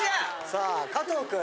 ・さあ加藤君。